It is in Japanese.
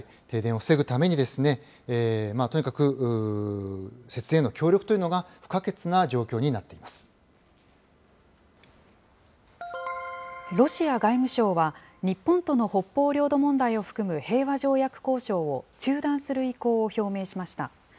停電を防ぐために、とにかく節電への協力というのが不可欠なロシア外務省は、日本との北方領土問題を含む平和条約交渉を中断する意向を表明しました。